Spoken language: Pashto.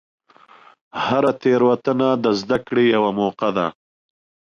هره تېروتنه د زدهکړې یوه موقع ده.